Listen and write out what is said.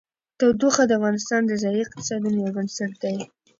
تودوخه د افغانستان د ځایي اقتصادونو یو بنسټ دی.